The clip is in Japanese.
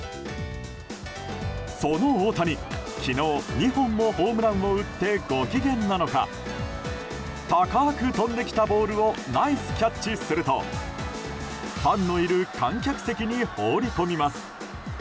その大谷、昨日、２本のホームランを打ってご機嫌なのか高く飛んできたボールをナイスキャッチするとファンのいる観客席に放り込みます。